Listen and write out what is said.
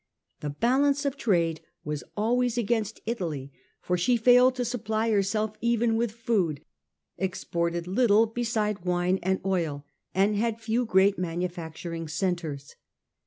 The balance of trade was always ^^ against Italy, for she failed to supply herself trade againtt even with food, exported little beside wine and oil, and had few great manufacturing centres.